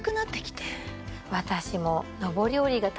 私も。